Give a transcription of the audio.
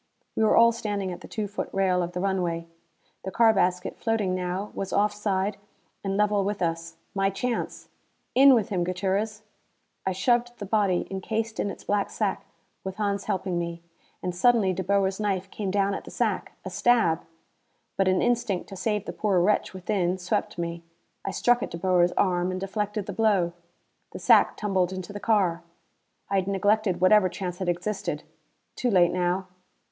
We were all standing at the two foot rail of the runway. The car basket, floating now, was off side and level with us. My chance! "In with him, Gutierrez." I shoved the body, encased in its black sack, with Hans helping me. And suddenly De Boer's knife came down at the sack! A stab. But an instinct to save the poor wretch within swept me. I struck at De Boer's arm and deflected the blow. The sack tumbled into the car. I had neglected whatever chance had existed. Too late now!